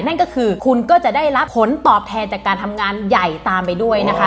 นั่นก็คือคุณก็จะได้รับผลตอบแทนจากการทำงานใหญ่ตามไปด้วยนะคะ